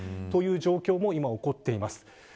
そういう状況も今、起こっています。